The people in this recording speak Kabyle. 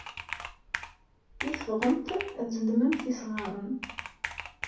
I teffɣemt ad d-tzedmemt isɣaren?